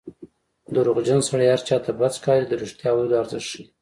دروغجن سړی هر چا ته بد ښکاري د رښتیا ویلو ارزښت ښيي